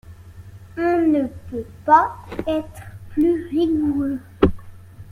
On ne peut pas être plus rigoureux